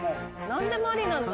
何でもありなんだ。